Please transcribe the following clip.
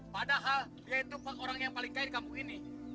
padahal dia itu orang yang paling kaya di kampung ini